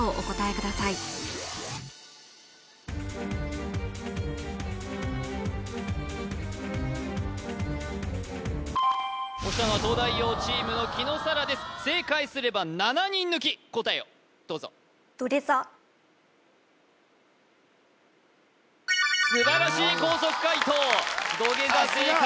ください押したのは東大王チームの紀野紗良です正解すれば７人抜き答えをどうぞ素晴らしい高速解答土下座正解！